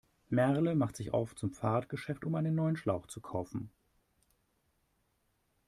Merle macht sich auf zum Fahrradgeschäft, um einen neuen Schlauch zu kaufen.